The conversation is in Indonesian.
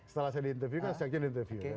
setelah saya di interview kan saya di interview